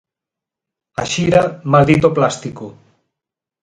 A xira "Maldito Plástico!".